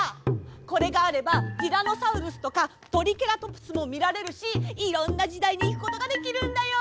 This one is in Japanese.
これがあればティラノサウルスとかトリケラトプスもみられるしいろんなじだいにいくことができるんだよ！